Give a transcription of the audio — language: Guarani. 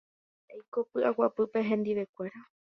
Ha eiko py'aguapýpe hendivekuéra.